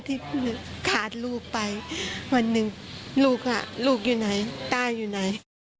ที่ขาดลูกไปวันหนึ่งลูกลูกอยู่ไหนต้าอยู่ไหน